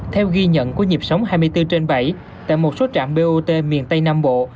theo ghi nhận của nhịp sống hai mươi bốn trên bảy tại một số trạm bot miền tây nam bộ